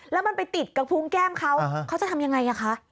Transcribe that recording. แล้วมันไปติดกับพุงแก้มเขาเขาจะทำยังไงคะ